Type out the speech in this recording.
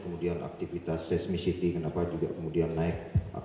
kemudian aktivitas seismisity kenapa juga kemudian naik